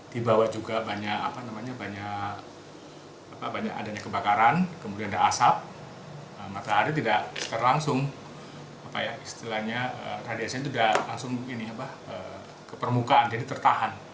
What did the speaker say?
di bawah juga banyak adanya kebakaran kemudian ada asap matahari tidak terlangsung istilahnya radiasinya itu tidak langsung ke permukaan jadi tertahan